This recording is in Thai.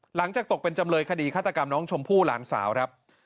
หลังจากตกเป็นจำเลยคดีฆาตกรรมน้องชมพู่หลานสาวครับ